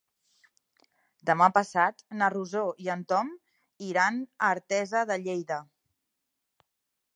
Demà passat na Rosó i en Tom iran a Artesa de Lleida.